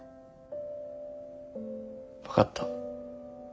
分かった。